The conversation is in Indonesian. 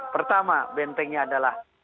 pertama bentengnya adalah